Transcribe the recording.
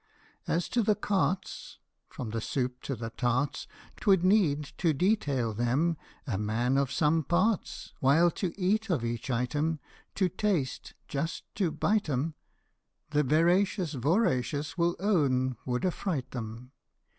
As to the cartes, From the soups to the tarts, 'T would need to detail them a man of some parts ; While to eat of each item To taste just to bite 'em, The veracious voracious will own would affright 'em.